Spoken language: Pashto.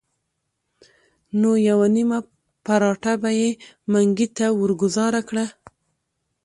نو یوه نیمه پراټه به یې منګي ته ورګوزاره کړه.